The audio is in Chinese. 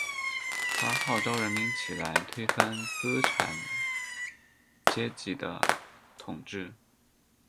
他号召人民起来推翻资产阶级的统治。